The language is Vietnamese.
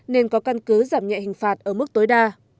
nên có căn cứ giảm nhẹ hình phạt ở mức tối đa